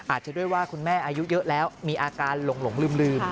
อาจจะด้วยว่าคุณแม่อายุเยอะแล้วมีอาการหลงลืม